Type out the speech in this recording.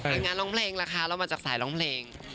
งานร้องเพลงล่ะคะเรามาจากสายร้องเพลง